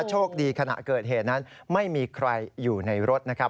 โชคดีขณะเกิดเหตุนั้นไม่มีใครอยู่ในรถนะครับ